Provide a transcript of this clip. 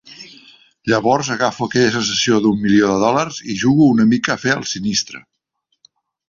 Llavors agafo aquella sensació d'un milió de dòlars i jugo una mica a fer el sinistre.